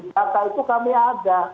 data itu kami ada